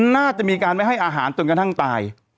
น่าจะมีการไม่ให้อาหารจนกระทั่งตาย